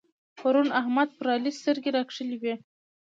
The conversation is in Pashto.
پرون احمد پر علي سترګې راکښلې وې.